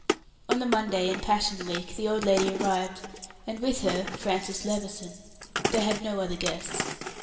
On the Monday in Passion Week the old lady arrived, and with her Francis Levison. They had no other guests.